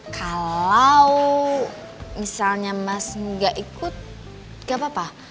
kalau misalnya mas gak ikut gak apa apa